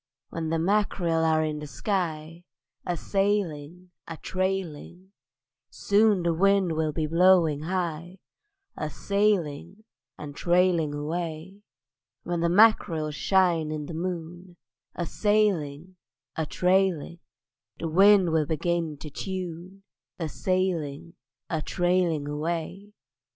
When the mack'rel are in the sky, A sailing, a trailing; Soon the wind will be blowing high: A sailing and trailing away. When the mack'rel shine in the moon, A sailing, a trailing; Then the wind will begin to tune: A sailing, a trailing away.